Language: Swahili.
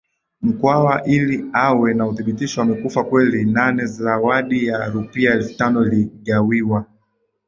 Mkwawa ili awe na uthibitisho amekufa kweli NaneZawadi ya rupia elfu tano iligawiwa